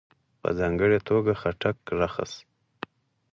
په ځانګړې توګه ..خټک رقص..